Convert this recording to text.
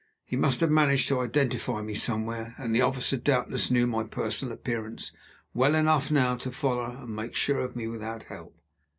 He must have managed to identify me somewhere, and the officer doubtless knew my personal appearance well enough now to follow and make sure of me without help.